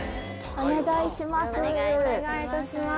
お願いいたします。